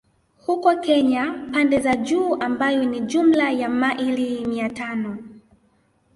Huko Kenya pande za juu ambayo ni jumla ya maili mia tano